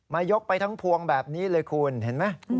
ยกไปทั้งพวงแบบนี้เลยคุณเห็นไหม